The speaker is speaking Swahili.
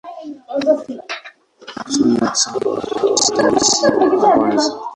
Sun Yat-sen akawa rais wa kwanza.